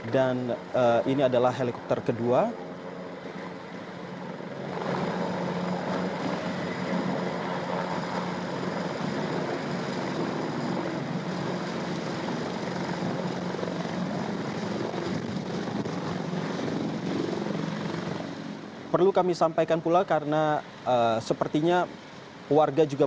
dan ini adalah helikopter kedua